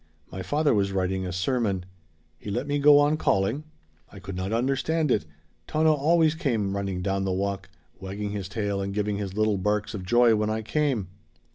My father was writing a sermon. He let me go on calling. I could not understand it. Tono always came running down the walk, wagging his tail and giving his little barks of joy when I came.